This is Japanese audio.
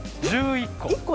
１１個。